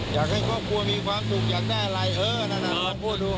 อยากให้ครอบครัวมีความสุขอยากได้อะไรเออนั่นน่ะลองพูดดู